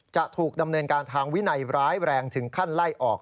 จะถูกดำเนินการทางวินัยร้ายแรงถึงขั้นไล่ออก